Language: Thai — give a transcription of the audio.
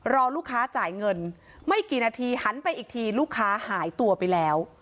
รอลูกค้าจ่ายเงินไม่กี่นาทีหันไปอีกทีลูกค้าหายตัวไปแล้ว